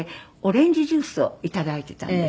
オレンジジュースを頂いていたんです。